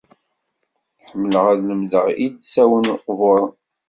Ḥemmleɣ ad lemdeɣ ilsawen iqburen.